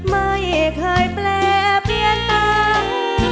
ไม่เคยแปลเปลี่ยนตาม